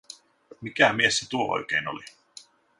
Mikä mies se tuo oikein oli?